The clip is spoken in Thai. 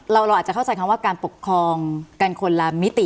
เราอาจจะเข้าใจคำว่าการปกครองกันคนละมิติ